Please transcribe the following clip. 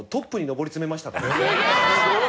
すごい！